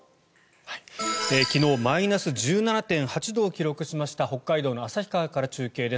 昨日マイナス１７．８度を記録しました北海道の旭川から中継です。